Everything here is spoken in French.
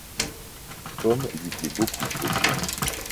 Pomme lui plaît beaucoup, au Chien.